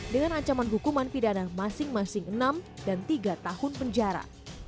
dengan ancaman hukuman pidana masing masing enam dan tiga tahun penjara